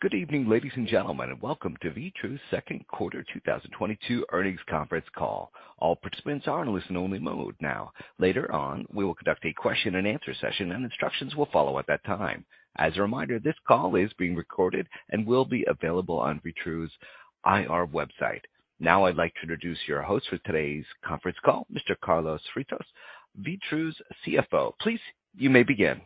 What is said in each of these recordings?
Good evening, ladies and gentlemen, and welcome to Vitru's second quarter 2022 earnings conference call. All participants are in listen only mode now. Later on, we will conduct a question and answer session and instructions will follow at that time. As a reminder, this call is being recorded and will be available on Vitru's IR website. Now I'd like to introduce your host for today's conference call, Mr. Carlos Freitas, Vitru's CFO. Please, you may begin.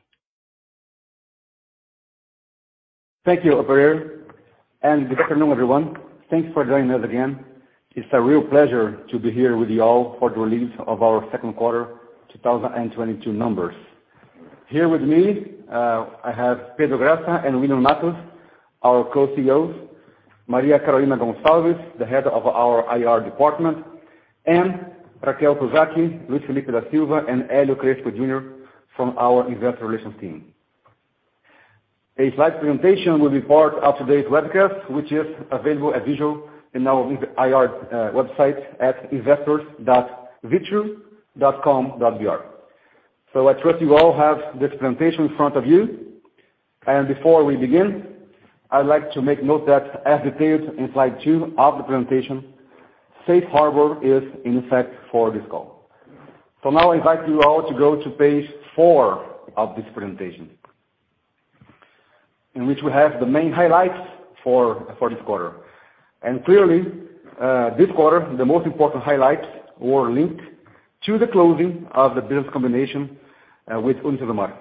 Thank you operator, and good afternoon, everyone. Thanks for joining us again. It's a real pleasure to be here with you all for the release of our second quarter 2022 numbers. Here with me, I have Pedro Graça and William Matos, our co-CEOs, Maria Carolina Gonçalves, the head of our IR department, and Raquel Suzaki, Luis Felipe da Silva, and Helio Crespo Jr. from our investor relations team. A slide presentation will be part of today's webcast, which is available on our IR website at investors.vitru.com.br. I trust you all have this presentation in front of you. Before we begin, I'd like to make note that as detailed in slide two of the presentation, safe harbor is in effect for this call. Now I invite you all to go to page four of this presentation, in which we have the main highlights for this quarter. Clearly, this quarter, the most important highlights were linked to the closing of the business combination with UniCesumar,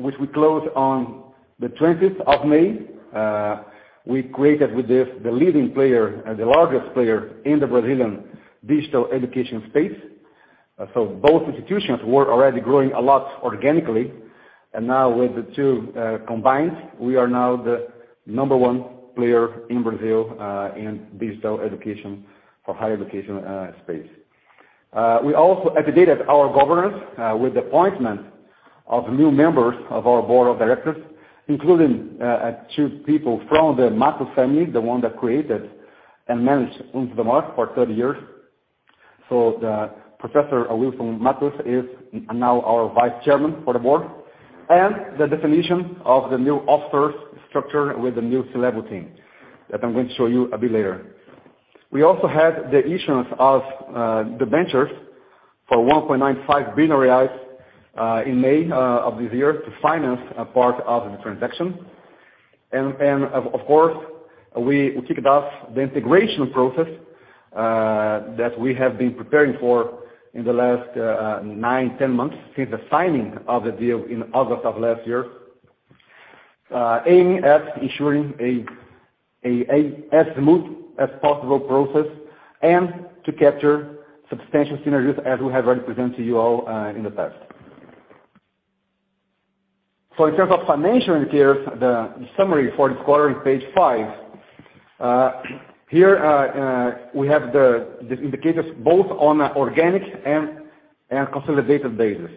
which we closed on the 20th of May. We created with this the leading player and the largest player in the Brazilian digital education space. Both institutions were already growing a lot organically. Now with the two combined, we are now the number one player in Brazil in digital education for higher education space. We also updated our governance with the appointment of new members of our board of directors, including two people from the Matos family, the one that created and managed UniCesumar for 30 years. The Professor Wilson Matos is now our Vice Chairman for the board and defining the new officer structure with the new co-CEO that I'm going to show you a bit later. We also had the issuance of the debentures for 1.95 billion reais in May of this year to finance a part of the transaction. Of course, we kicked off the integration process that we have been preparing for in the last nine to 10 months since the signing of the deal in August of last year aiming at ensuring as smooth as possible process and to capture substantial synergies as we have already presented to you all in the past. In terms of financial materials, the summary for this quarter is page five. Here, we have the indicators both on organic and consolidated basis.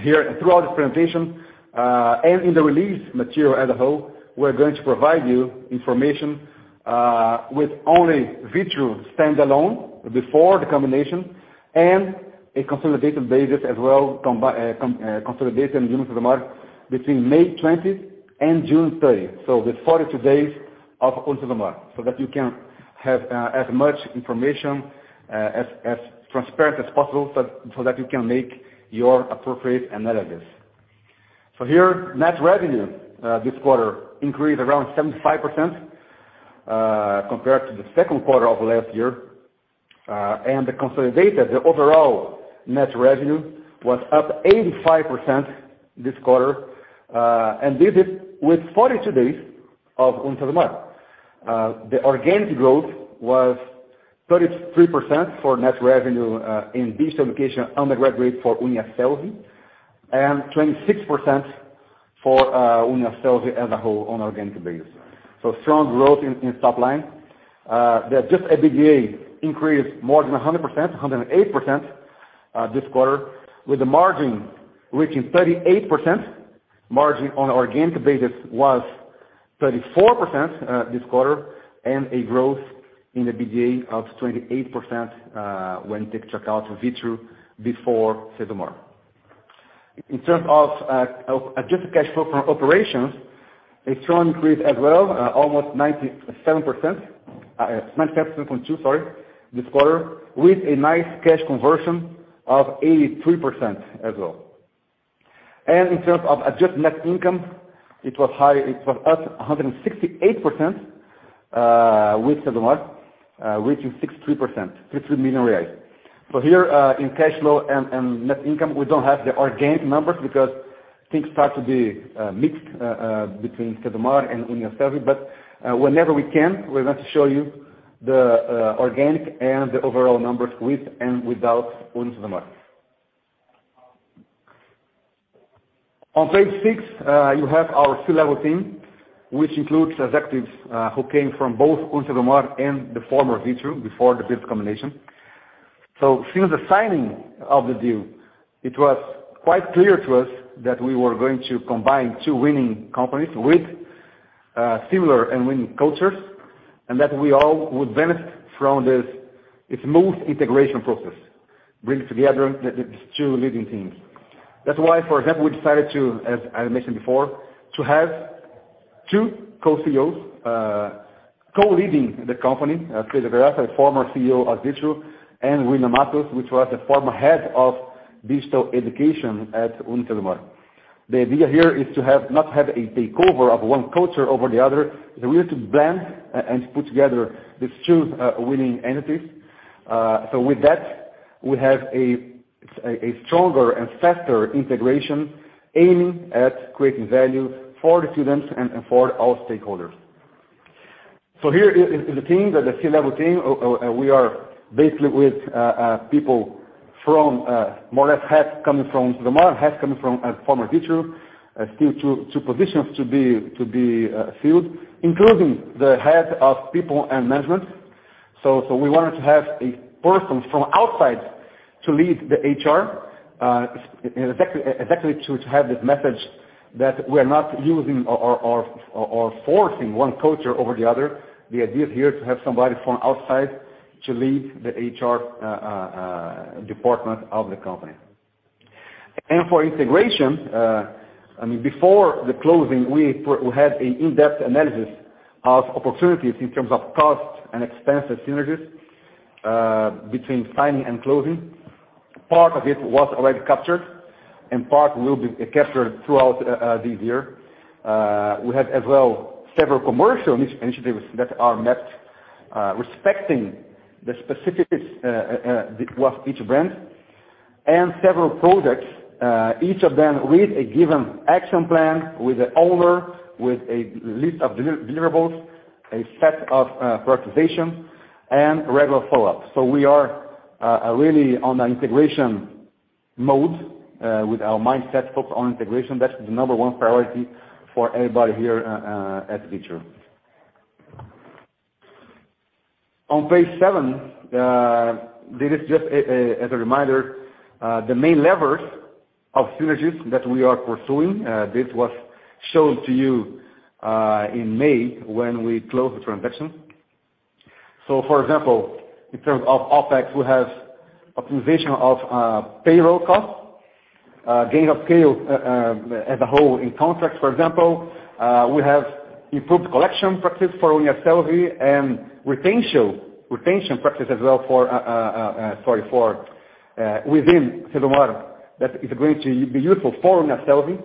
Here throughout the presentation, and in the release material as a whole, we're going to provide you information with only Vitru standalone before the combination and a consolidated basis as well, consolidated UniCesumar between May 20 and June 30. The 42 days of UniCesumar so that you can have as much information as transparent as possible so that you can make your appropriate analysis. Here, net revenue this quarter increased around 75%, compared to the second quarter of last year. The consolidated overall net revenue was up 85% this quarter. This is with 42 days of UniCesumar. The organic growth was 33% for net revenue in digital education undergraduate for Uniasselvi, and 26% for Uniasselvi as a whole on organic basis. Strong growth in top line. The adjusted EBITDA increased more than 100%, 108%, this quarter with the margin reaching 38%. Margin on organic basis was 34% this quarter and a growth in EBITDA of 28% when taking UniCesumar out for Vitru before UniCesumar. In terms of adjusted cash flow from operations, a strong increase as well, 97.2%, sorry, this quarter, with a nice cash conversion of 83% as well. In terms of adjusted net income, it was high. It was up 168% with UniCesumar, reaching 63.3 million reais. Here, in cash flow and net income, we don't have the organic numbers because things start to be mixed between UniCesumar and Uniasselvi. Whenever we can, we're going to show you the organic and the overall numbers with and without UniCesumar. On page six, you have our C-level team, which includes executives who came from both UniCesumar and the former Vitru before the business combination. Since the signing of the deal, it was quite clear to us that we were going to combine two winning companies with similar and winning cultures, and that we all would benefit from this smooth integration process, bring together the two leading teams. That's why, for example, we decided to, as I mentioned before, to have two co-CEOs co-leading the company, Pedro Graça, former CEO of Vitru, and William Matos, which was the former head of digital education at UniCesumar. The idea here is not to have a takeover of one culture over the other, is a way to blend and to put together these two winning entities. With that, we have a stronger and faster integration aiming at creating value for the students and for all stakeholders. Here is the team, the C-level team. We are basically with people from more or less half coming from the modern, half coming from former Vitru, still two positions to be filled, including the head of people and management. We wanted to have a person from outside to lead the HR exactly to have this message that we're not using or forcing one culture over the other. The idea here is to have somebody from outside to lead the HR department of the company. For integration, I mean, before the closing, we had an in-depth analysis of opportunities in terms of cost and expense and synergies between signing and closing. Part of it was already captured and part will be captured throughout this year. We have as well several commercial initiatives that are meant, respecting the specifics, with each brand and several products, each of them with a given action plan, with an owner, with a list of deliverables, a set of prioritization and regular follow-ups. We are really on the integration mode, with our mindset focused on integration. That's the number one priority for everybody here at Vitru. On page seven, this is just as a reminder, the main levers of synergies that we are pursuing. This was shown to you in May when we closed the transaction. For example, in terms of OpEx, we have optimization of payroll costs, gain of scale as a whole in contracts, for example. We have improved collection practice for Uniasselvi and retention practice as well for within UniCesumar that is going to be useful for Uniasselvi.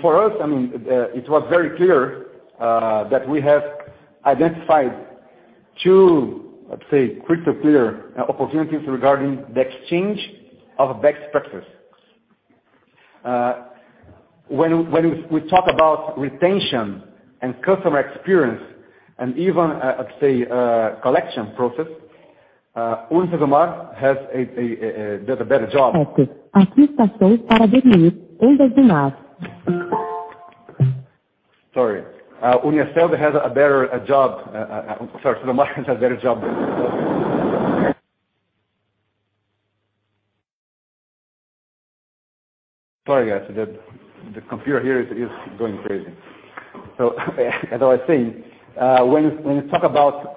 For us, I mean, it was very clear that we have identified two, let's say, crystal clear opportunities regarding the exchange of best practices. When we talk about retention and customer experience and even a, let's say, collection process, UniCesumar does a better job. Uniasselvi has a better job. Unicesumar has a better job. The computer here is going crazy. As I was saying, when you talk about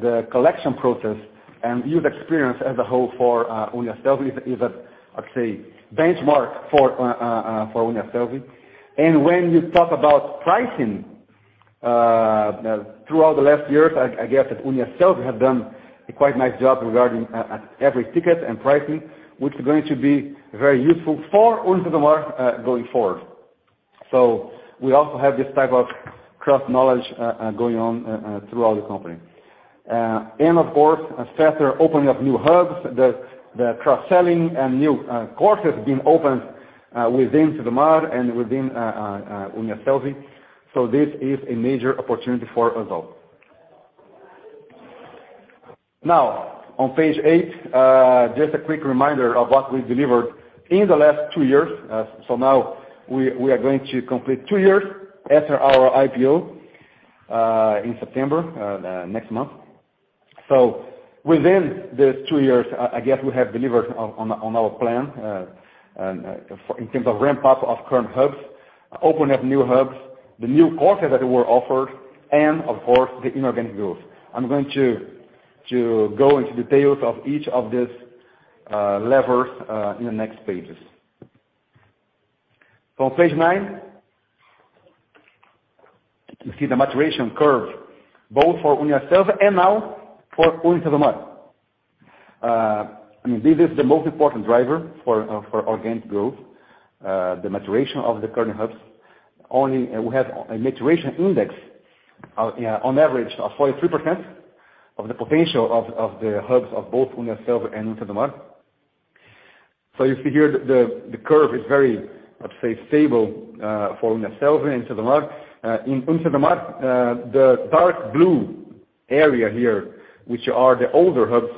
the collection process and user experience as a whole for Uniasselvi is a, is a, let's say, benchmark for Uniasselvi. When you talk about pricing throughout the last years, I guess that Uniasselvi have done a quite nice job regarding every ticket and pricing, which is going to be very useful for UniCesumar going forward. We also have this type of cross knowledge going on throughout the company. Of course, a faster opening of new hubs, the cross-selling and new courses being opened within UniCesumar and within Uniasselvi. This is a major opportunity for us all. Now, on page eight, just a quick reminder of what we've delivered in the last two years. Now we are going to complete two years after our IPO in September next month. Within these two years, I guess we have delivered on our plan in terms of ramp up of current hubs, opening up new hubs, the new courses that were offered, and of course, the inorganic growth. I'm going to go into details of each of these levers in the next pages. On page nine, you see the maturation curve, both for Uniasselvi and now for UniCesumar. I mean, this is the most important driver for organic growth, the maturation of the current hubs. We only have a maturation index of, on average, 43% of the potential of the hubs of both Uniasselvi and UniCesumar. You see here the curve is very, let's say, stable for Uniasselvi and UniCesumar. In UniCesumar, the dark blue area here, which are the older hubs,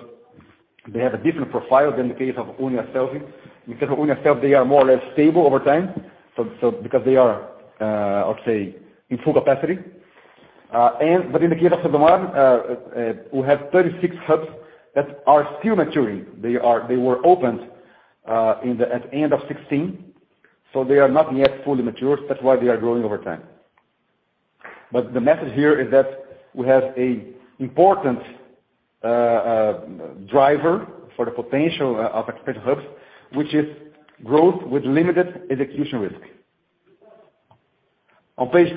they have a different profile than the case of Uniasselvi. Because of Uniasselvi, they are more or less stable over time. Because they are, let's say, in full capacity. In the case of UniCesumar, we have 36 hubs that are still maturing. They were opened at end of 2016, so they are not yet fully mature. That's why they are growing over time. The message here is that we have an important driver for the potential of expansion hubs, which is growth with limited execution risk. On page 10,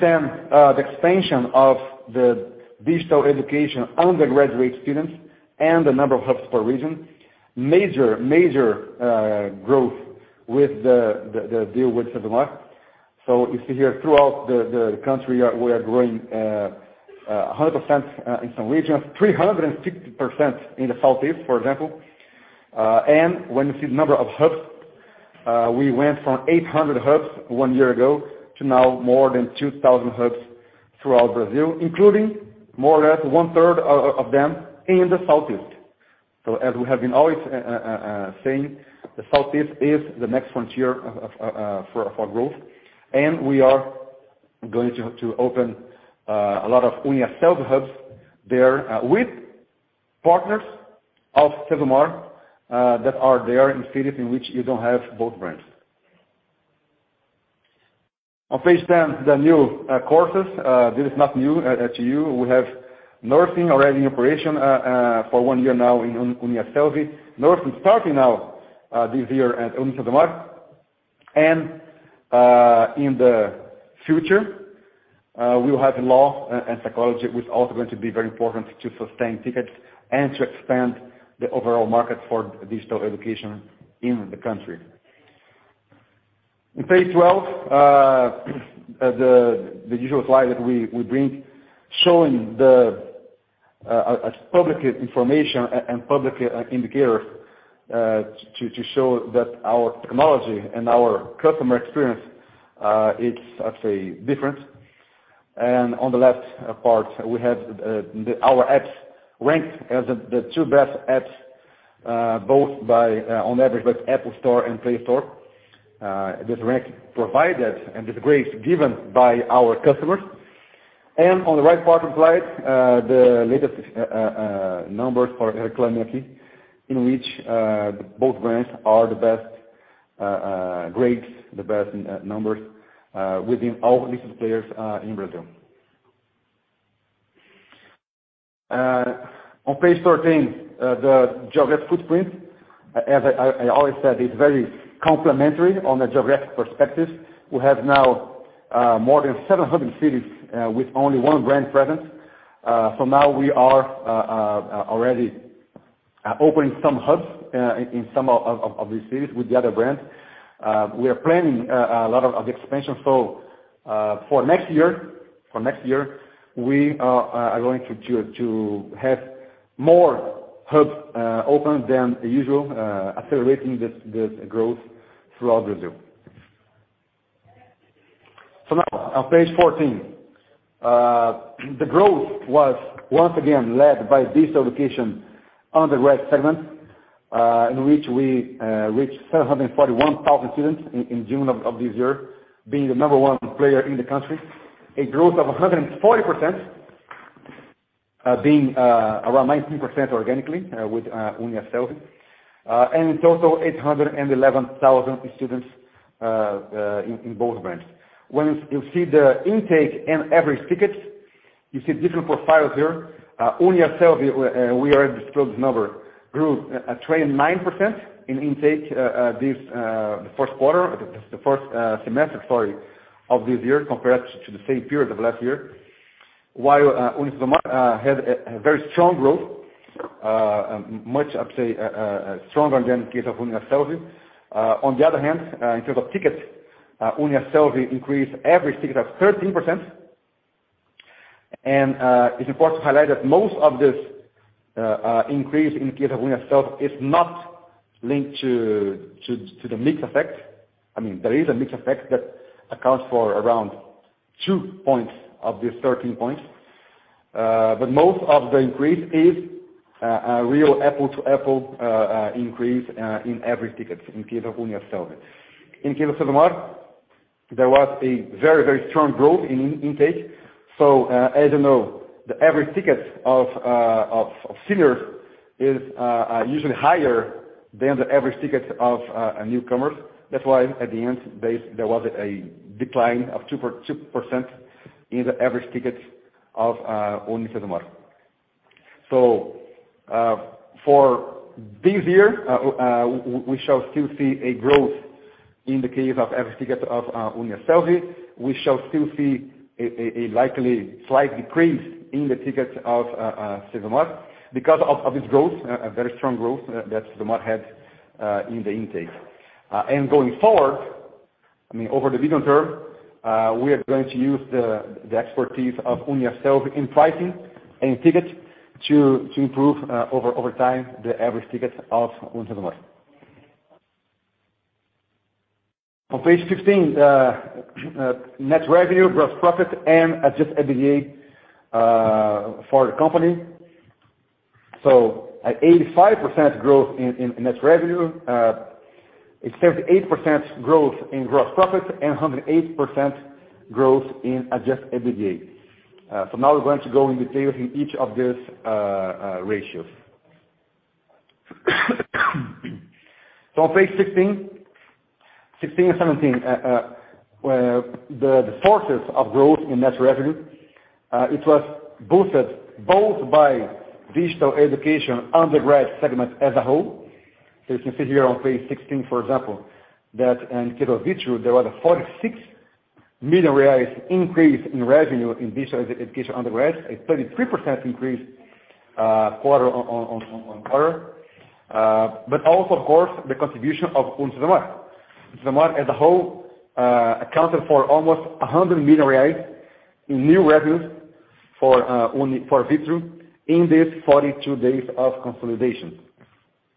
the expansion of the digital education undergraduate students and the number of hubs per region, major growth with the deal with UniCesumar. You see here throughout the country, we are growing 100% in some regions, 360% in the southeast, for example. When you see the number of hubs, we went from 800 hubs one year ago to now more than 2,000 hubs throughout Brazil, including more or less 1/3 of them in the southeast. As we have been always saying, the southeast is the next frontier for growth. We are going to open a lot of Uniasselvi hubs there with partners of UniCesumar that are there in cities in which you don't have both brands. On page 10, the new courses, this is not new to you. We have nursing already in operation for one year now in Uniasselvi. Nursing starting now this year at UniCesumar. In the future, we'll have law and psychology, which also going to be very important to sustain tickets and to expand the overall market for digital education in the country. On page 12, the usual slide that we bring, showing the public information and public indicator to show that our technology and our customer experience, it's, I'd say, different. On the left part, we have our apps ranked as the two best apps, both by, on average, by Apple Store and Play Store. This rank provided and this grade given by our customers. On the right part of the slide, the latest numbers for Reclame Aqui, in which both brands are the best grades, the best numbers within all listed players in Brazil. On page 13, the geographic footprint, as I always said, it's very complementary on the geographic perspective. We have now more than 700 cities with only one brand presence. Now we are already opening some hubs in some of these cities with the other brands. We are planning a lot of expansion. For next year, we are going to have more hubs open than usual, accelerating this growth throughout Brazil. Now on page 14, the growth was once again led by digital education undergrad segment, in which we reached 741,000 students in June of this year, being the number one player in the country, a growth of 140%, being around 19% organically, with Uniasselvi, and in total 811,000 students in both brands. When you see the intake and average tickets, you see different profiles here. Uniasselvi, we already disclosed the number, grew 29% in intake, the first semester of this year compared to the same period of last year. UniCesumar had a very strong growth, much stronger than in case of Uniasselvi. On the other hand, in terms of tickets, Uniasselvi increased average tickets 13%. It's important to highlight that most of this increase in case of Uniasselvi is not linked to the mix effect. I mean, there is a mix effect that accounts for around two points of these 13 points. But most of the increase is a real apple-to-apple increase in average tickets in case of Uniasselvi. In case of Cesumar, there was a very strong growth in intake. As you know, the average tickets of seniors is usually higher than the average tickets of newcomers. That's why at the end, there was a decline of 2% in the average tickets of UniCesumar. For this year, we shall still see a growth in the case of average ticket of Uniasselvi. We shall still see a likely slight decrease in the tickets of UniCesumar because of its growth, a very strong growth that UniCesumar had in the intake. Going forward, I mean, over the medium term, we are going to use the expertise of Uniasselvi in pricing and tickets to improve, over time, the average tickets of UniCesumar. On page 15, net revenue, gross profit, and adjusted EBITDA for the company. At 85% growth in net revenue, a 78% growth in gross profit and a 108% growth in adjusted EBITDA. Now we're going to go into details in each of these ratios. On page 16 and 17, where the sources of growth in net revenue, it was boosted both by digital education undergraduate segment as a whole. You can see here on page 16, for example, that in the case of Vitru, there was a 46 million increase in revenue in digital education undergraduates, a 33% increase, quarter-on-quarter. But also of course, the contribution of UniCesumar. UniCesumar as a whole accounted for almost a 100 million reais in new revenues for only for Vitru in these 42 days of consolidation,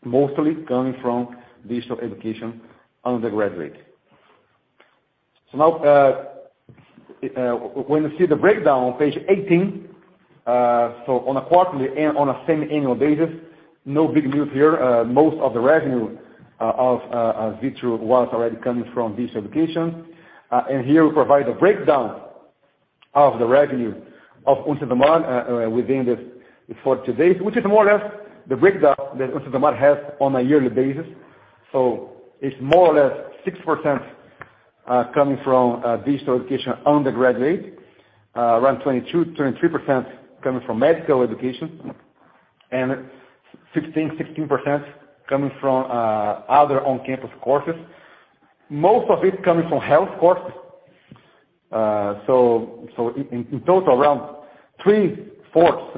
mostly coming from digital education undergraduate. Now, when you see the breakdown on page 18, on a quarterly and on a semi-annual basis, no big news here. Most of the revenue of Vitru was already coming from digital education. Here we provide a breakdown of the revenue of UniCesumar within the 42 days, which is more or less the breakdown that UniCesumar has on a yearly basis. It's more or less 6% coming from digital education undergraduate, around 22-23% coming from medical education, and 16% coming from other on-campus courses, most of it coming from health courses. In total around 3/4,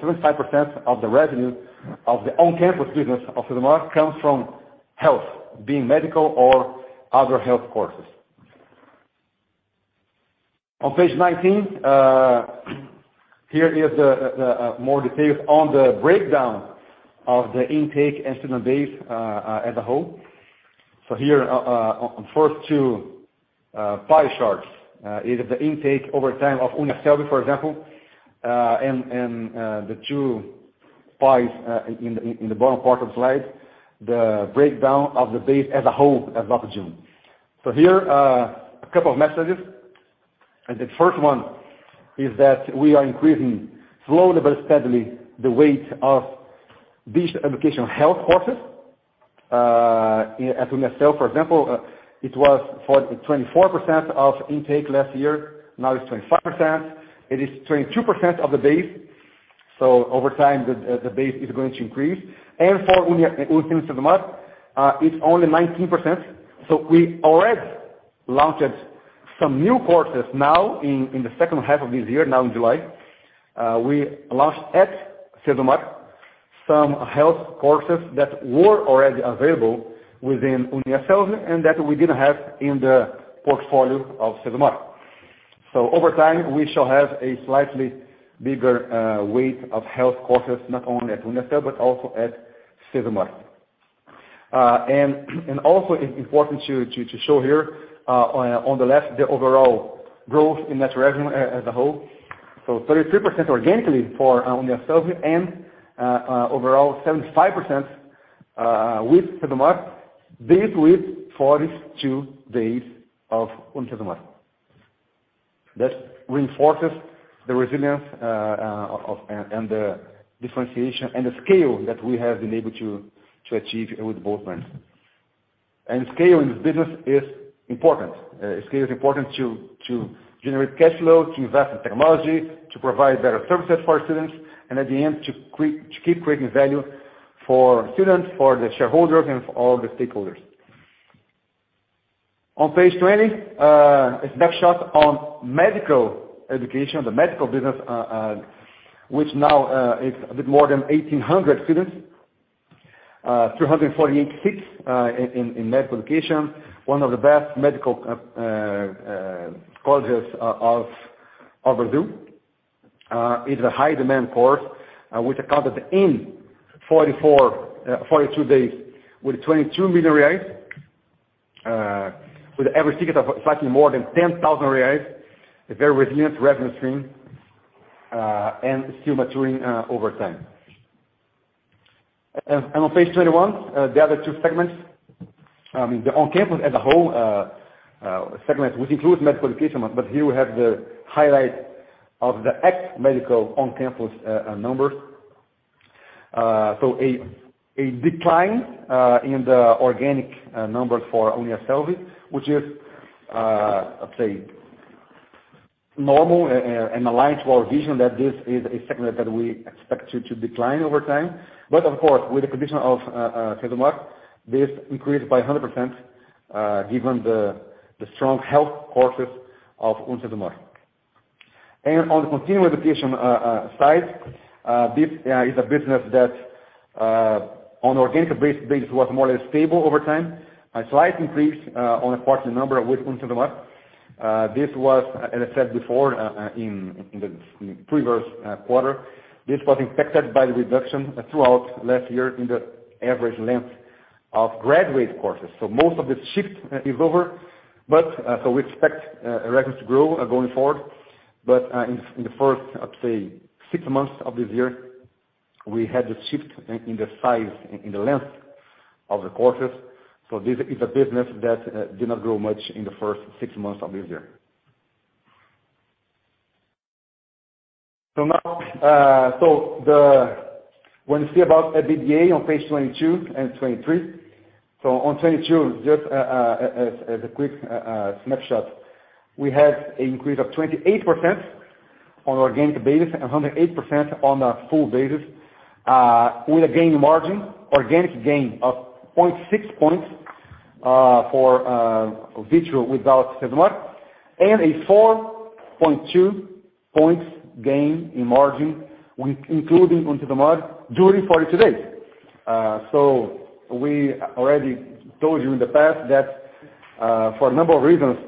75% of the revenue of the on-campus business of UniCesumar comes from health, being medical or other health courses. On page 19, here is the more details on the breakdown of the intake and student base as a whole. Here, on the first two pie charts is the intake over time of Uniasselvi, for example, and the two pies in the bottom part of the slide, the breakdown of the base as a whole as of June. Here, a couple of messages. The first one is that we are increasing slowly but steadily the weight of digital education health courses at Uniasselvi, for example, it was 24% of intake last year. Now it's 25%. It is 22% of the base. Over time, the base is going to increase. For UniCesumar, it's only 19%. We already launched some new courses now in the second half of this year. Now in July, we launched at UniCesumar some health courses that were already available within Uniasselvi and that we didn't have in the portfolio of UniCesumar. Over time, we shall have a slightly bigger weight of health courses, not only at Uniasselvi but also at UniCesumar. Also it's important to show here, on the left, the overall growth in net revenue as a whole. 33% organically for Uniasselvi and overall 75% with UniCesumar, this with 42 days of UniCesumar. That reinforces the resilience of and the differentiation and the scale that we have been able to achieve with both brands. Scale in this business is important. Scale is important to generate cash flow, to invest in technology, to provide better services for our students and at the end to keep creating value for students, for the shareholders and all the stakeholders. On page 20, a snapshot on medical education, the medical business, which now is a bit more than 1,800 students, 248 seats, in medical education, one of the best medical colleges of Brazil. It's a high demand course, which accounted in 42 days with 22 million reais, with every ticket of slightly more than 10,000 reais, a very resilient revenue stream, and still maturing over time. On page 21, the other two segments, the on-campus as a whole segment, which includes medical education, but here we have the highlight of the ex-medical on-campus numbers. So a decline in the organic numbers for Uniasselvi, which is, let's say normal and aligned to our vision that this is a segment that we expect to decline over time. But of course, with the acquisition of UniCesumar, this increased by 100%, given the strong health courses of UniCesumar. On the continuing education side, this is a business that on organic basis was more or less stable over time. A slight increase on a quarterly number with UniCesumar. This was, as I said before, in the previous quarter, this was impacted by the reduction throughout last year in the average length of graduate courses. Most of the shift is over, but so we expect our records to grow going forward. In the first, I'd say six months of this year, we had the shift in the size in the length of the courses. This is a business that did not grow much in the first six months of this year. Now, when you see about EBITDA on page 22 and 23. On 2022, as a quick snapshot, we had an increase of 28% on an organic basis and 108% on a full basis, with an organic gain of 0.6 points for Vitru without UniCesumar and a 4.2 points gain in margin with including UniCesumar during 42 days. We already told you in the past that for a number of reasons,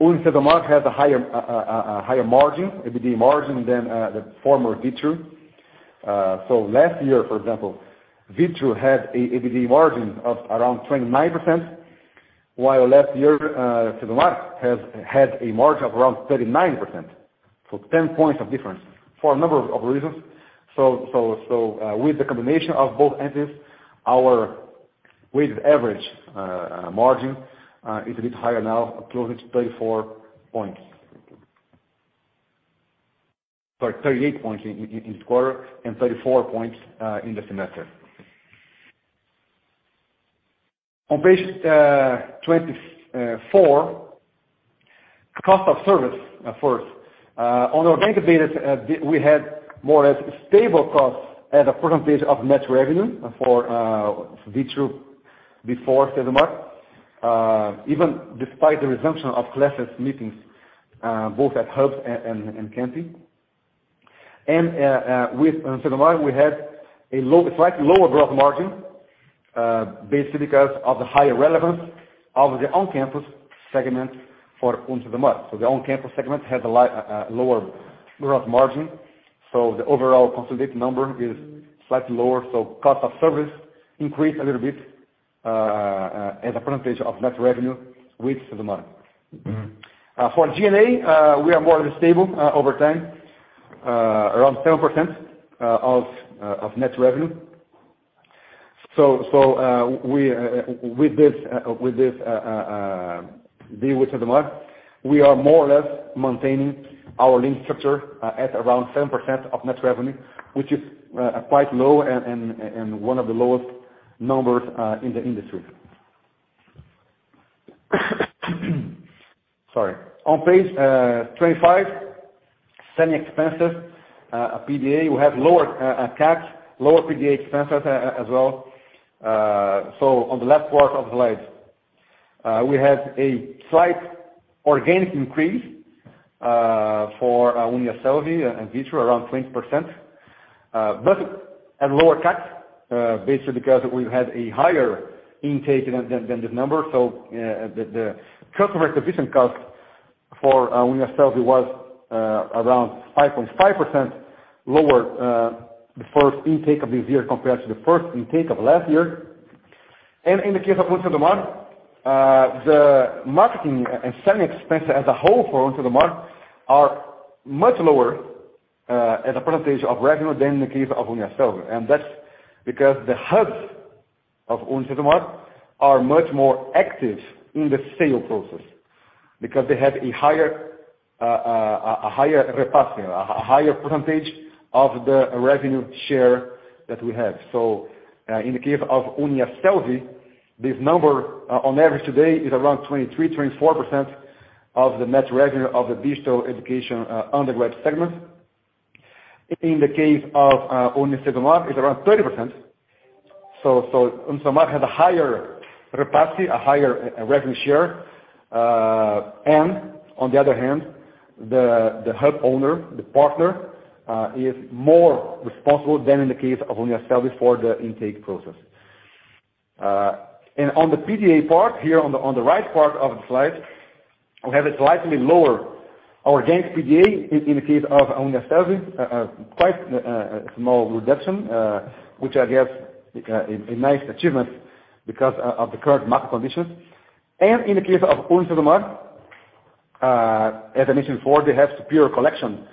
UniCesumar has a higher EBITDA margin than the former Vitru. Last year, for example, Vitru had an EBITDA margin of around 29%, while last year UniCesumar had a margin of around 39%. 10 Points of difference for a number of reasons. With the combination of both entities, our weighted average margin is a bit higher now, closer to 34 points. Sorry, 38 points in this quarter and 34 points in the semester. On page 24, cost of service first. On organic basis, we had more or less stable costs as a percentage of net revenue for Vitru before UniCesumar, even despite the resumption of classes meetings both at hubs and on-campus. With UniCesumar, we had slightly lower gross margin, basically because of the higher relevance of the on-campus segment for UniCesumar. The on-campus segment had a lower growth margin, so the overall consolidated number is slightly lower, so cost of service increased a little bit, as a percentage of net revenue with UniCesumar. For G&A, we are more or less stable over time, around 7% of net revenue. With this deal with UniCesumar we are more or less maintaining our lean structure at around 7% of net revenue, which is quite low and one of the lowest numbers in the industry. Sorry. On page 25, selling expenses, PDA, we have lower CAPEX, lower PDA expenses as well. On the left part of the slide, we have a slight organic increase for Uniasselvi and Vitru around 20%, but at lower CAPEX, basically because we've had a higher intake than this number. The customer acquisition cost for Uniasselvi was around 5.5% lower, the first intake of this year compared to the first intake of last year. In the case of UniCesumar, the marketing and selling expenses as a whole for UniCesumar are much lower as a percentage of revenue than in the case of Uniasselvi. That's because the hubs of UniCesumar are much more active in the sales process because they have a higher proportion, a higher percentage of the revenue share that we have. In the case of Uniasselvi, this number on average today is around 23%-24% of the net revenue of the digital education undergrad segment. In the case of Uniasselvi, it's around 30%. UniCesumar has a higher revenue share. On the other hand, the hub owner, the partner, is more responsible than in the case of Uniasselvi for the intake process. On the PDA part here on the right part of the slide, we have a slightly lower organic PDA in the case of Uniasselvi, quite a small reduction, which I guess is a nice achievement because of the current market conditions. In the case of UniCesumar, as I mentioned before, they have superior collection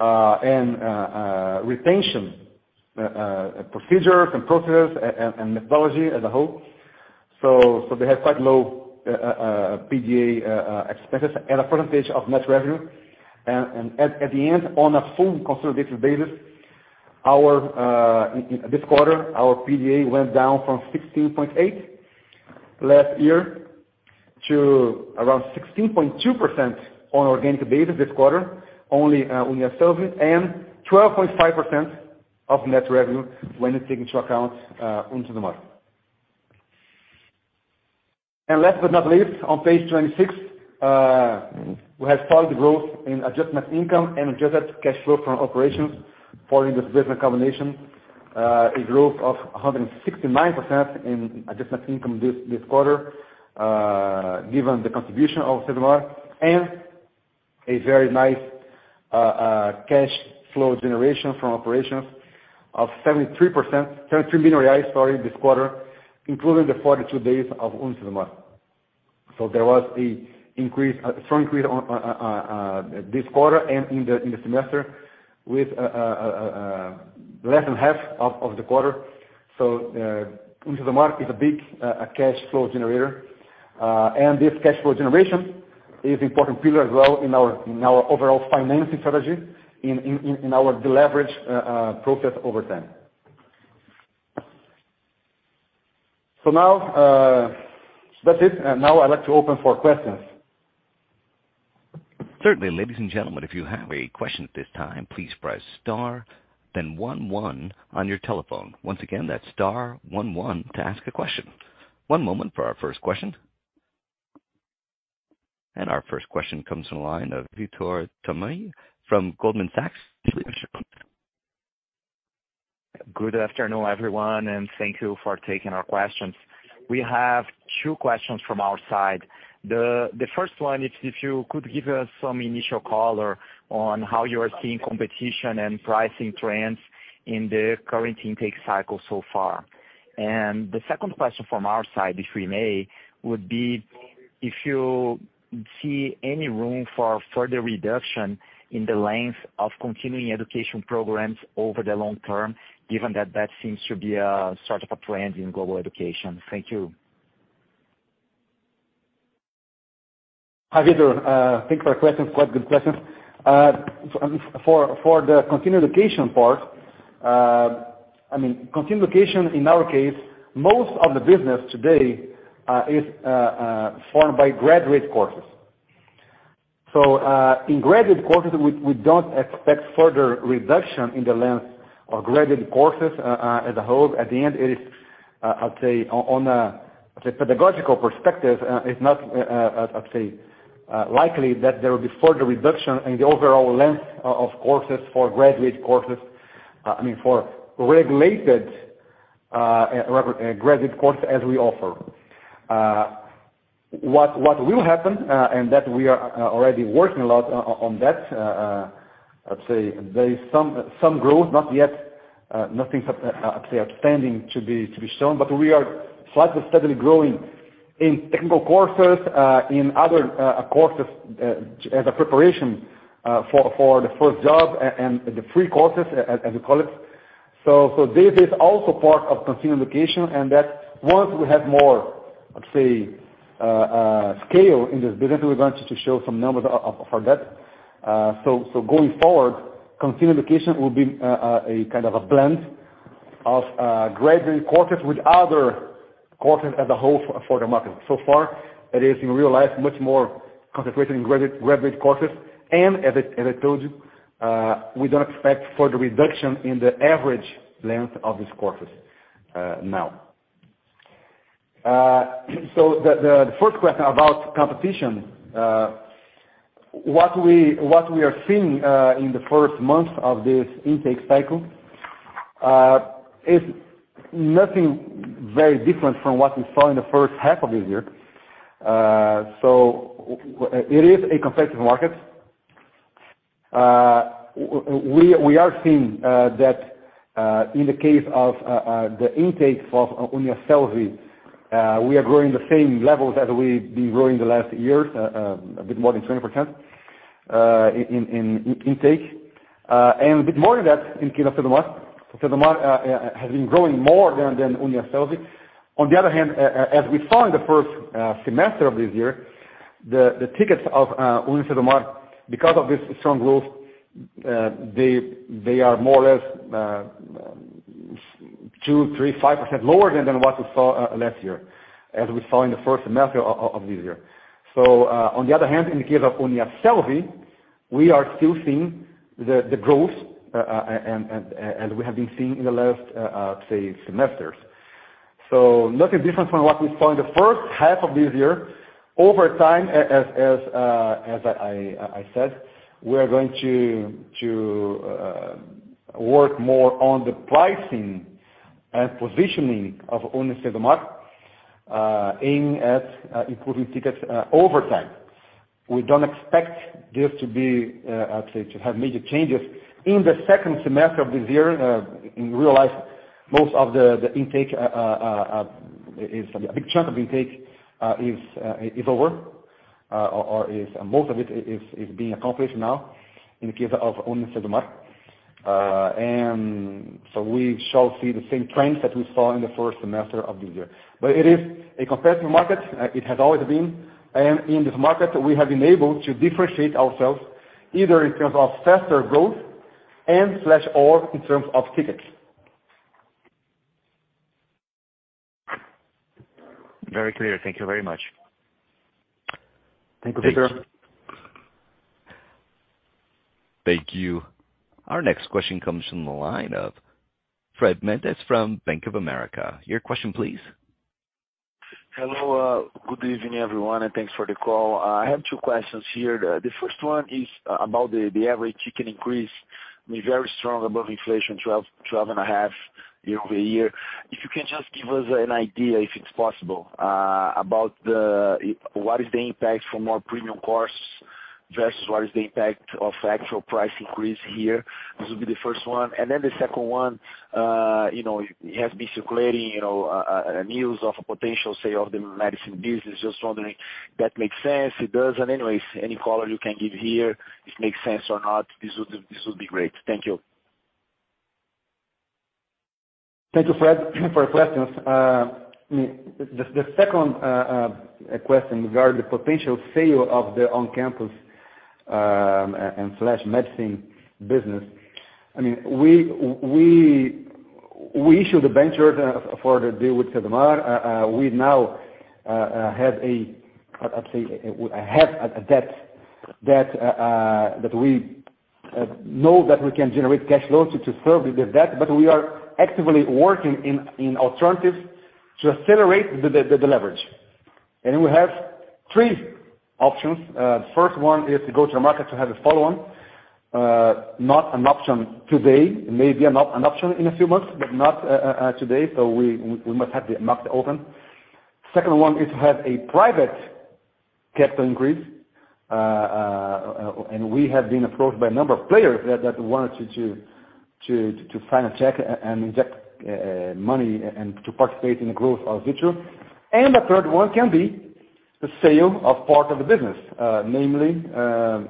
and retention procedures and processes and methodology as a whole. So they have quite low PDA expenses as a percentage of net revenue. And at the end, on a full consolidated basis, our this quarter, our PDA went down from 16.8% last year to around 16.2% on organic basis this quarter, only Uniasselvi and 12.5% of net revenue when you take into account UniCesumar. Last but not least, on page 26, we have solid growth in adjustment income and adjusted cash flow from operations following this business combination. A growth of 169% in adjusted income this quarter, given the contribution of UniCesumar and a very nice cash flow generation from operations of 73%. 73 million reais, sorry, this quarter, including the 42 days of UniCesumar. There was a strong increase on this quarter and in the semester with less than half of the quarter. UniCesumar is a big cash flow generator. This cash flow generation is important pillar as well in our overall financing strategy in our deleverage process over time. Now, that's it. Now I'd like to open for questions. Certainly. Ladies and gentlemen, if you have a question at this time, please press star then one on your telephone. Once again, that's star one one to ask a question. One moment for our first question. Our first question comes from line of Vitor Tomita from Goldman Sachs. Good afternoon, everyone, and thank you for taking our questions. We have two questions from our side. The first one is if you could give us some initial color on how you are seeing competition and pricing trends in the current intake cycle so far. The second question from our side, if we may, would be if you see any room for further reduction in the length of continuing education programs over the long term, given that that seems to be a sort of a trend in global education. Thank you. Hi, Vitor. Thanks for your question. Quite good questions. For the continuing education part, I mean, continuing education in our case, most of the business today is formed by graduate courses. In graduate courses we don't expect further reduction in the length of graduate courses as a whole. At the end, it is, I'd say on a pedagogical perspective, it's not likely that there will be further reduction in the overall length of courses for graduate courses, I mean, for regulated graduate course as we offer. What will happen and that we are already working a lot on that, let's say there is some growth, not yet, nothing, say, outstanding to be shown, but we are slightly, steadily growing in technical courses, in other courses, as a preparation for the first job and the free courses, as we call it. This is also part of continuing education and that once we have more, let's say, scale in this business, we're going to show some numbers for that. Going forward, continuing education will be a kind of a blend of graduate courses with other courses as a whole for the market. So far it is in real life much more concentrated in graduate courses. as I told you, we don't expect further reduction in the average length of these courses, now. The first question about competition, what we are seeing in the first months of this intake cycle is nothing very different from what we saw in the first half of this year. It is a competitive market. We are seeing that in the case of the intake of UniCesumar, we are growing the same levels as we've been growing the last years, a bit more than 20% in intake, and a bit more than that in case of UniCesumar. UniCesumar has been growing more than Uniasselvi. On the other hand, as we saw in the first semester of this year, the tickets of UniCesumar because of this strong growth, they are more or less 2%, 3%, 5% lower than what we saw last year, as we saw in the first semester of this year. On the other hand, in the case of Uniasselvi we are still seeing the growth, and we have been seeing in the last say semesters. Nothing different from what we saw in the first half of this year. Over time, as I said, we are going to work more on the pricing and positioning of UniCesumar, aiming to improve tickets over time. We don't expect this to be, I'd say to have major changes in the second semester of this year. In real life, most of the intake is a big chunk of intake is over, or most of it is being accomplished now in the case of UniCesumar. We shall see the same trends that we saw in the first semester of this year. It is a competitive market. It has always been. In this market we have been able to differentiate ourselves either in terms of faster growth and/or in terms of tickets. Very clear. Thank you very much. Thank you, Vitor. Thank you. Our next question comes from the line of Fred Mendes from Bank of America. Your question, please. Good evening, everyone, and thanks for the call. I have two questions here. The first one is about the average ticket increase was very strong above inflation, 12%-12.5% year-over-year. If you can just give us an idea, if it's possible, about what is the impact from our premium course versus what is the impact of actual price increase here? This will be the first one. The second one, you know, it has been circulating, you know, news of a potential sale of the medicine business. Just wondering if that makes sense, it doesn't. Anyways, any color you can give here, if it makes sense or not, this would be great. Thank you. Thank you, Fred Mendes, for your questions. I mean, the second question regarding the potential sale of the on-campus and/or medicine business. I mean, we issued a debenture for the deal with Cesumar. We now have a debt that we know that we can generate cash flows to serve the debt, but we are actively working in alternatives to accelerate the deleverage. We have three options. The first one is to go to the market to have a follow-on. Not an option today. It may be an option in a few months, but not today. We must have the market open. Second one is to have a private capital increase. We have been approached by a number of players that wanted to sign a check and inject money and to participate in the growth of Futuro. The third one can be the sale of part of the business, namely,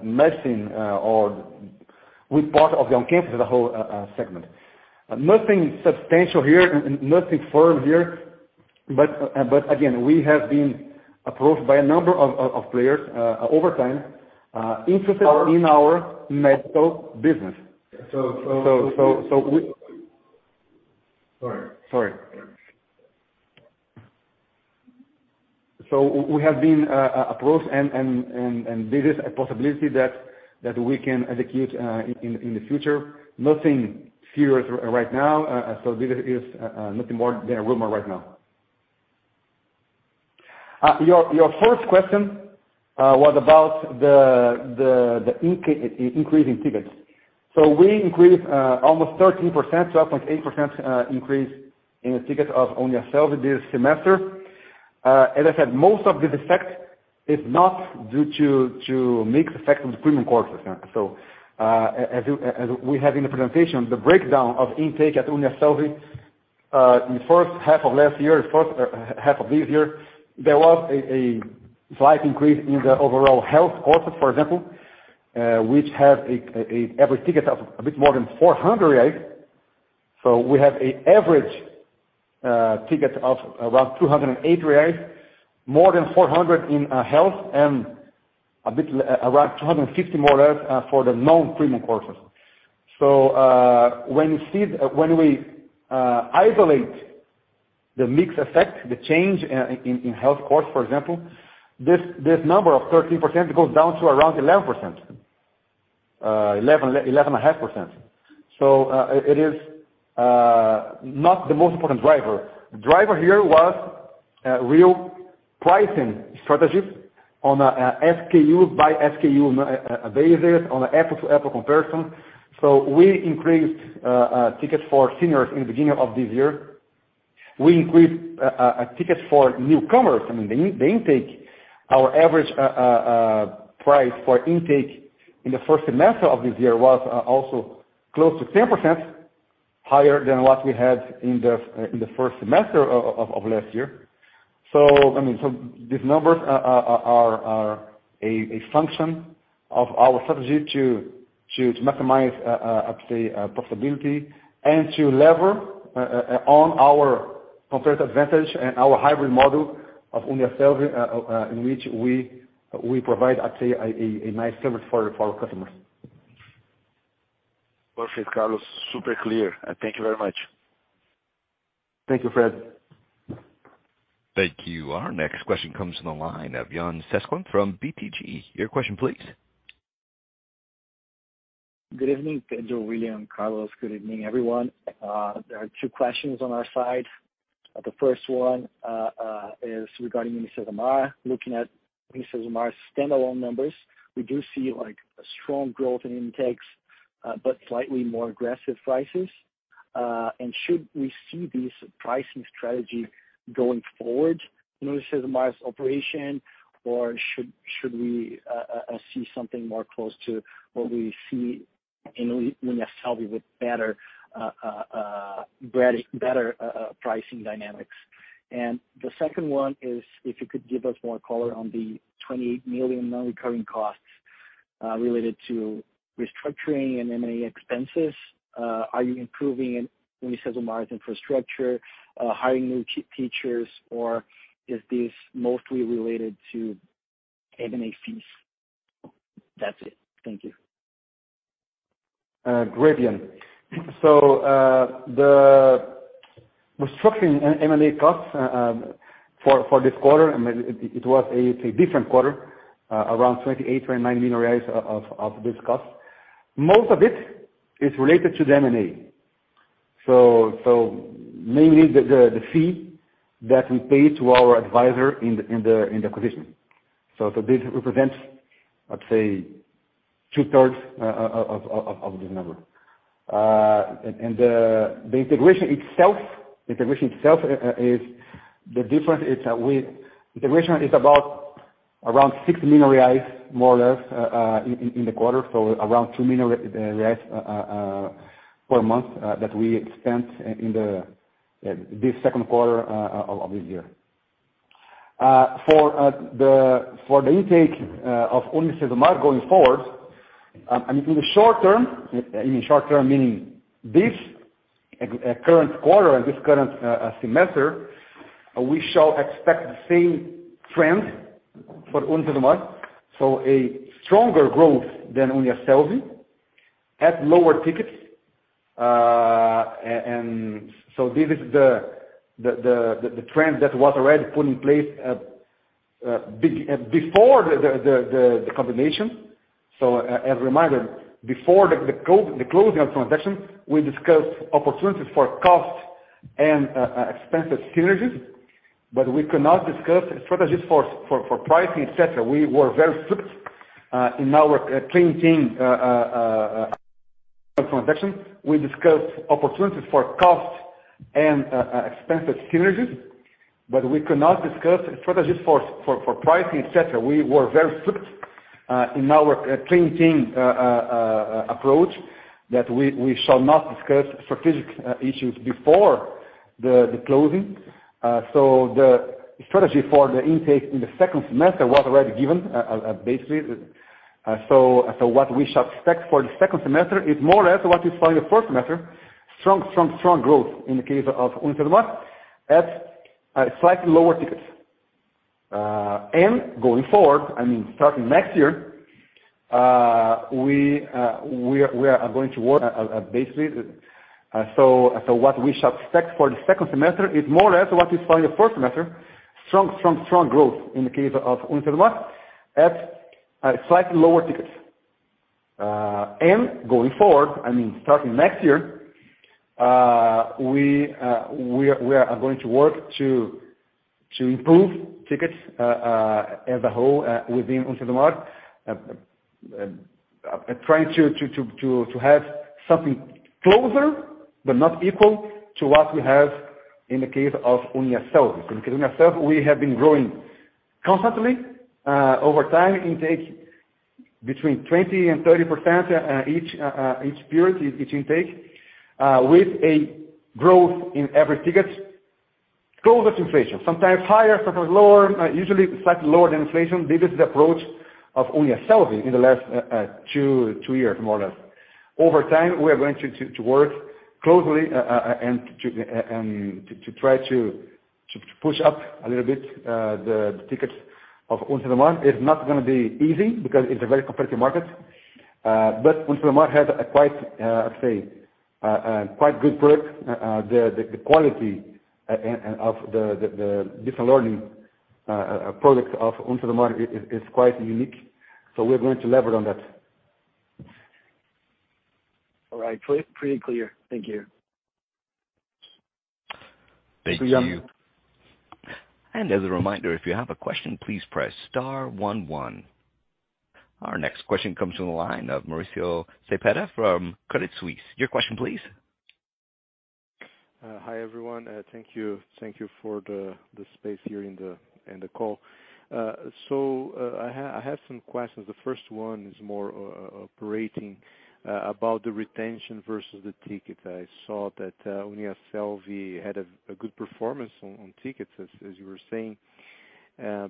medicine, or with part of the on-campus as a whole, segment. Nothing substantial here, nothing firm here, but again, we have been approached by a number of players over time interested in our medical business. So, so- We Sorry. Sorry. We have been approved and this is a possibility that we can execute in the future. Nothing serious right now. This is nothing more than a rumor right now. Your first question was about the increase in tickets. We increased almost 13%, 12.8% increase in the tickets of Uniasselvi this semester. As I said, most of this effect is not due to mix effect of the premium courses. As we have in the presentation, the breakdown of intake at Uniasselvi, in the first half of last year, first half of this year, there was a slight increase in the overall health courses, for example, which have an average ticket of a bit more than 400 reais. We have an average ticket of around 280 reais, more than 400 in health and around 250 more or less for the non-premium courses. When we isolate the mix effect, the change in health course, for example, this number of 13% goes down to around 11%. 11.5%. It is not the most important driver. The driver here was real pricing strategies on a SKU-by-SKU basis on an apples-to-apples comparison. We increased tickets for seniors in the beginning of this year. We increased tickets for newcomers. I mean, the intake, our average price for intake in the first semester of this year was also close to 10% higher than what we had in the first semester of last year. I mean, these numbers are a function of our strategy to maximize profitability and to leverage on our competitive advantage and our hybrid model of Uniasselvi, in which we provide a nice service for our customers. Perfect, Carlos. Super clear. Thank you very much. Thank you, Fred. Thank you. Our next question comes from the line of Yan Cesquim from BTG. Your question, please. Good evening, Pedro, William, Carlos. Good evening, everyone. There are two questions on our side. The first one is regarding UniCesumar. Looking at UniCesumar's standalone numbers, we do see, like, a strong growth in intakes, but slightly more aggressive prices. Should we see this pricing strategy going forward in UniCesumar's operation, or should we see something more close to what we see in Uniasselvi with better pricing dynamics? The second one is if you could give us more color on the 28 million non-recurring costs related to restructuring and M&A expenses. Are you investing in UniCesumar's infrastructure, hiring new teachers, or is this mostly related to M&A fees? That's it. Thank you. Great, Yan. The restructuring and M&A costs for this quarter, I mean, it was a different quarter, around 28 million-29 million reais of these costs. Most of it is related to the M&A. So, mainly the fee that we pay to our advisor in the acquisition. So, this represents, let's say 2/3 of this number. And the integration itself is about around 6 million reais, more or less, in the quarter, so around 2 million reais per month that we spent in this second quarter of this year. For the intake of UniCesumar going forward, I mean, in the short term, in short term meaning this current quarter and this current semester, we shall expect the same trend for UniCesumar. A stronger growth than Uniasselvi at lower tickets. This is the trend that was already put in place before the combination. As a reminder, before the closing of transaction, we discussed opportunities for cost and expense synergies, but we could not discuss strategies for pricing, et cetera. We were very strict in our clean team transaction. We discussed opportunities for cost and expense synergies, but we could not discuss strategies for pricing, et cetera. We were very strict in our clean team approach that we shall not discuss strategic issues before the closing. The strategy for the intake in the second semester was already given, basically. What we shall expect for the second semester is more or less what we saw in the first semester, strong growth in the case of UniCesumar at slightly lower tickets. Going forward, I mean, starting next year, we are going to work, basically. What we shall expect for the second semester is more or less what we saw in the first semester, strong growth in the case of UniCesumar at slightly lower tickets. Going forward, I mean, starting next year, we are going to work to improve tickets as a whole within UniCesumar, trying to have something closer but not equal to what we have in the case of Uniasselvi. Because Uniasselvi we have been growing constantly over time intake between 20% and 30% each period, each intake, with a growth in every ticket closer to inflation, sometimes higher, sometimes lower, usually slightly lower than inflation. This is the approach of Uniasselvi in the last two years, more or less. Over time, we are going to work closely and to try to push up a little bit the tickets of UniCesumar. It's not gonna be easy because it's a very competitive market. UniCesumar has a quite, I'd say, quite good product. The quality and of the different learning products of UniCesumar is quite unique. We're going to leverage on that. All right, clear. Pretty clear. Thank you. Thank you. So yeah- As a reminder, if you have a question, please press star one one. Our next question comes from the line of Mauricio Cepeda from Credit Suisse. Your question please. Hi, everyone. Thank you. Thank you for the space here in the call. I have some questions. The first one is more operating about the retention versus the ticket. I saw that Uniasselvi had a good performance on tickets, as you were saying.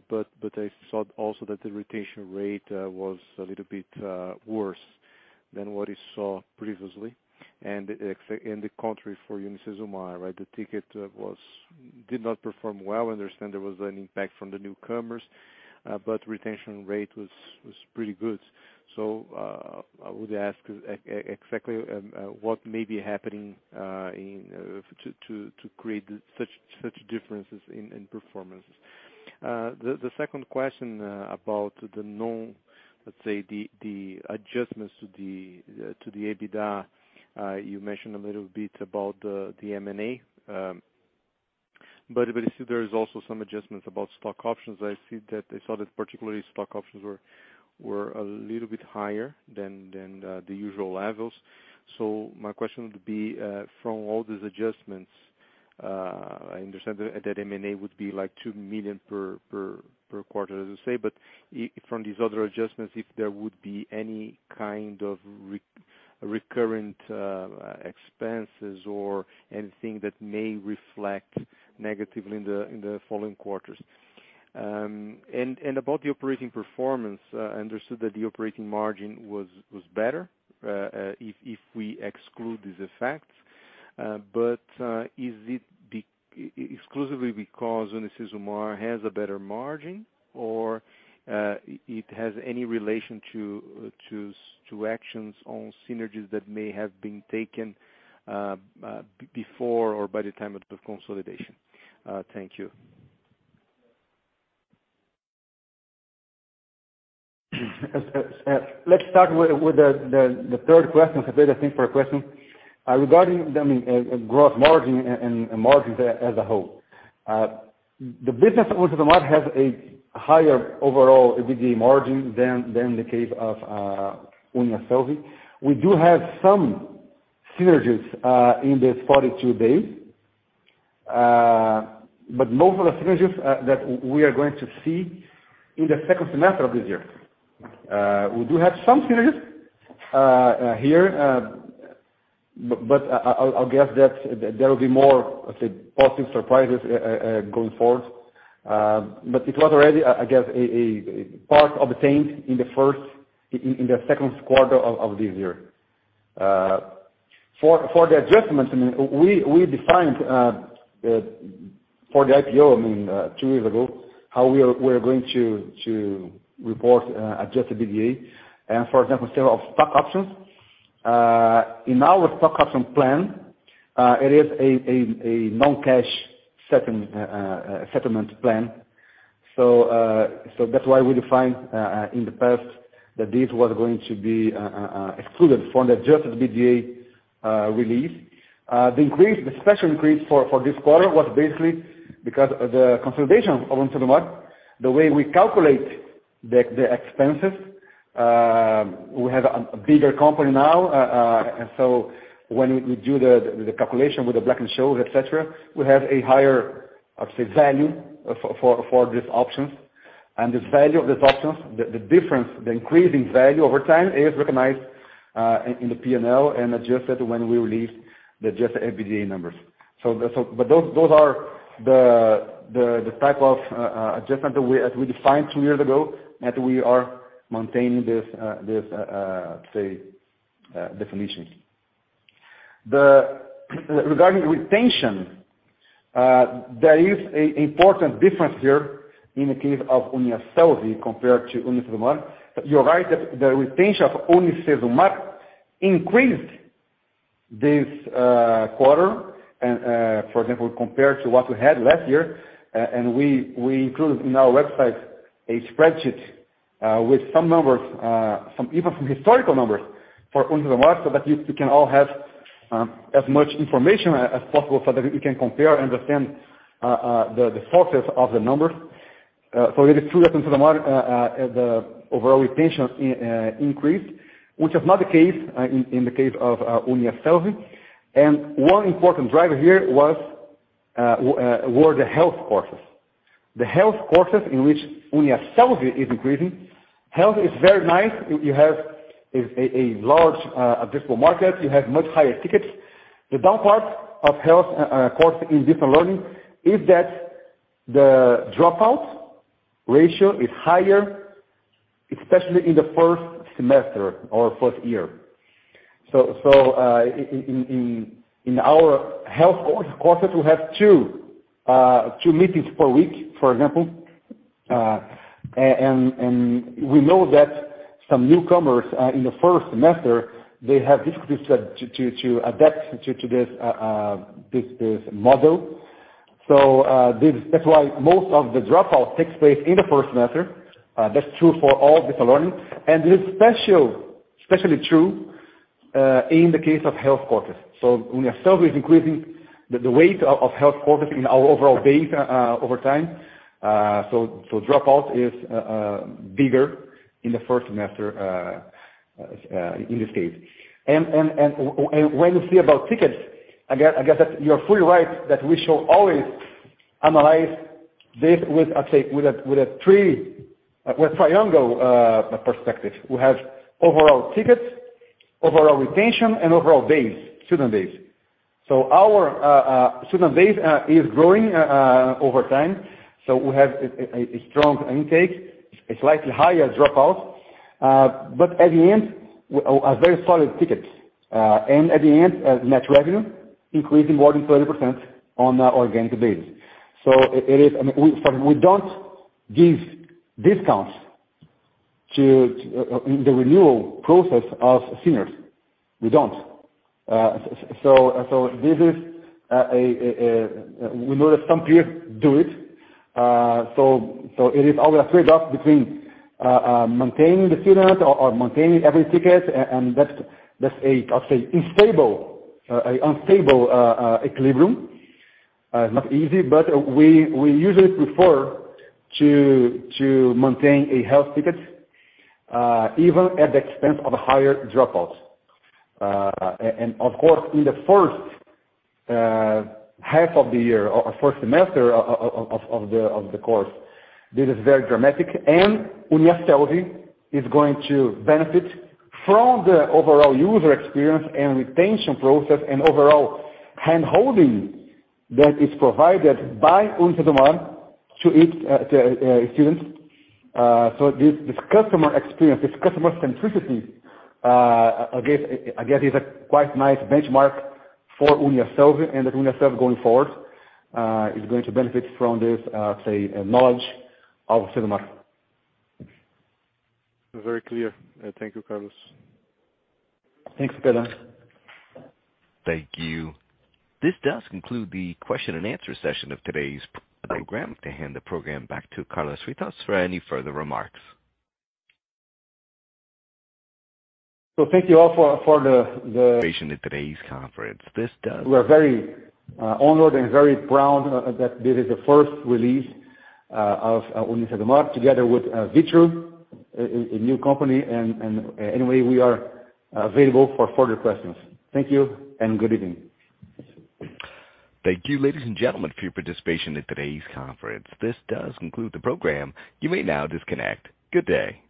But I saw also that the retention rate was a little bit worse than what you saw previously. The contrary for UniCesumar, right? The ticket did not perform well. I understand there was an impact from the newcomers, but retention rate was pretty good. I would ask exactly what may be happening in to create such differences in performances. The second question, let's say, about the adjustments to the EBITDA. You mentioned a little bit about the M&A. I see there is also some adjustments about stock options. I saw that particularly stock options were a little bit higher than the usual levels. My question would be from all these adjustments. I understand that M&A would be like 2 million per quarter, as you say. From these other adjustments, if there would be any kind of recurrent expenses or anything that may reflect negatively in the following quarters. About the operating performance, I understood that the operating margin was better if we exclude these effects. Is it exclusively because UniCesumar has a better margin or it has any relation to actions on synergies that may have been taken before or by the time of the consolidation? Thank you. Let's start with the third question, Pedro, thanks for the question. Regarding, I mean, gross margin and margins as a whole. The business of UniCesumar has a higher overall EBITDA margin than the case of Uniasselvi. We do have some synergies in this 42 days. Most of the synergies that we are going to see in the second semester of this year. We do have some synergies here, but I'll guess that there will be more, let's say, positive surprises going forward. It was already, I guess, a part obtained in the second quarter of this year. For the adjustments, I mean, we defined for the IPO, I mean, two years ago, how we're going to report adjusted EBITDA. For example, sale of stock options. In our stock option plan, it is a non-cash settlement plan. That's why we defined in the past that this was going to be excluded from the adjusted EBITDA release. The increase, the special increase for this quarter was basically because of the consolidation of UniCesumar. The way we calculate the expenses, we have a bigger company now. When we do the calculation with the Black-Scholes, et cetera, we have a higher, let's say, value for these options. This value of these options, the difference, the increase in value over time is recognized in the P&L and adjusted when we release the adjusted EBITDA numbers. But those are the type of adjustment that we, as we defined two years ago, that we are maintaining this say definition. Regarding retention, there is an important difference here in the case of Uniasselvi compared to UniCesumar. You're right that the retention of UniCesumar increased this quarter and, for example, compared to what we had last year. We included in our website a spreadsheet with some numbers, some even from historical numbers for UniCesumar, so that you can all have as much information as possible so that you can compare and understand the sources of the numbers. It is true that UniCesumar the overall retention increased, which is not the case in the case of Uniasselvi. One important driver here were the health courses. The health courses in which Uniasselvi is increasing. Health is very nice. You have a large addressable market. You have much higher tickets. The down part of health course in digital learning is that the dropout ratio is higher, especially in the first semester or first year. In our health courses, we have two meetings per week, for example. We know that some newcomers in the first semester, they have difficulties to adapt to this model. That's why most of the dropout takes place in the first semester. That's true for all digital learning, and it's especially true in the case of health courses. Uniasselvi is increasing the weight of health courses in our overall base over time. Dropout is bigger in the first semester in this case. When you see about tickets, again, I guess that you're fully right that we should always analyze this with, let's say, a triangular perspective. We have overall tickets, overall retention, and overall base, student base. Our student base is growing over time. We have a strong intake, a slightly higher dropout. At the end, a very solid ticket, and at the end, net revenue increasing more than 30% on our organic base. It is, I mean, we don't give discounts to in the renewal process of seniors. We don't. This is. We know that some peers do it. It is always a trade-off between maintaining the student or maintaining every ticket. That's a, let's say, unstable equilibrium. It's not easy, but we usually prefer to maintain a healthy ticket, even at the expense of higher dropouts. And of course, in the first half of the year or first semester of the course, this is very dramatic. Uniasselvi is going to benefit from the overall user experience and retention process and overall handholding that is provided by UniCesumar to its students. This customer experience, this customer centricity, I guess is a quite nice benchmark for Uniasselvi. Uniasselvi going forward is going to benefit from this knowledge of UniCesumar. Very clear. Thank you, Carlos. Thanks, Cepeda. Thank you. This does conclude the question and answer session of today's program. To hand the program back to Carlos Henrique Boquimpani de Freitas for any further remarks. Thank you all for In today's conference. We're very honored and very proud that this is the first release of UniCesumar together with Vitru, a new company. Anyway, we are available for further questions. Thank you and good evening. Thank you, ladies and gentlemen, for your participation in today's conference. This does conclude the program. You may now disconnect. Good day.